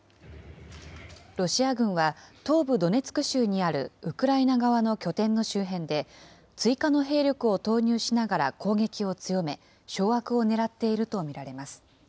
ロシア軍は東部ドネツク州にあるウクライナ側の拠点の周辺で、追加の兵力を投入しながら攻撃を強め、掌握をねらっていると見られます。